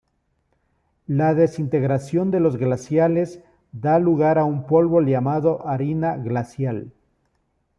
La desintegración de los glaciales da lugar a un polvo llamado "harina glacial".